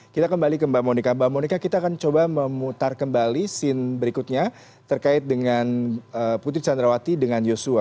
kita kembali ke mbak monika mbak monika kita akan coba memutar kembali scene berikutnya terkait dengan putri candrawati dengan yosua